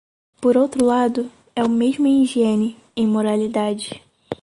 Por outro lado, é o mesmo em higiene, em moralidade.